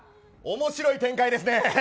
面白い展開ですね。